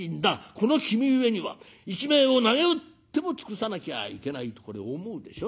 この君上には一命をなげうっても尽くさなきゃいけない』とこれ思うでしょ？